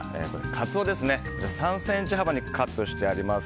カツオを３ｃｍ幅にカットしてあります。